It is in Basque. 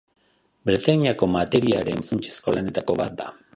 Bretainiako materiaren funtsezko lanetako bat da.